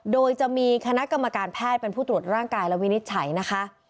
โดยจะมีคณะกรรมการแพทย์เป็นผู้ตรวจร่างกายและวินิจฉัยนะคะ